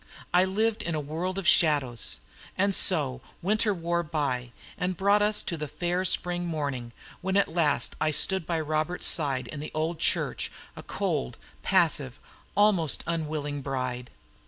I lived in a world of shadows. And so winter wore by, and brought us to the fair spring morning when at last I stood by Robert's side in the old church, a cold, passive, almost unwilling bride.